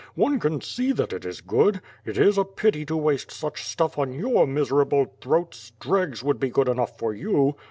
One can see that it is good! It is a pity to waste such stuff on your miserable throats, dregs would be good enough for you.